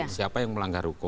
siapa yang melanggar hukum